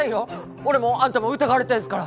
俺もあんたも疑われてんすから！